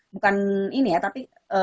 bukan ini ya tapi